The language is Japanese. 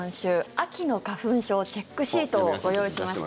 秋の花粉症チェックシートをご用意しました。